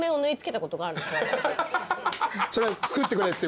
それは作ってくれってこと？